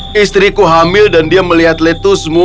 kau mengambil dan dia melihat lettucemu